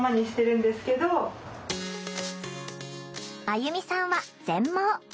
あゆみさんは全盲。